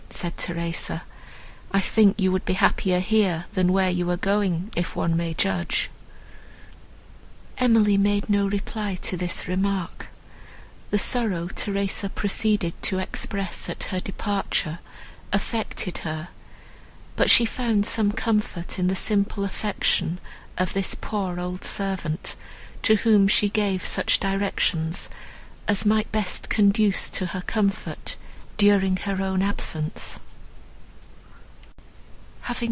said Theresa, "I think you would be happier here than where you are going, if one may judge." Emily made no reply to this remark; the sorrow Theresa proceeded to express at her departure affected her, but she found some comfort in the simple affection of this poor old servant, to whom she gave such directions as might best conduce to her comfort during her own absence.